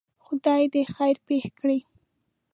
خدای دی خیر پېښ کړي.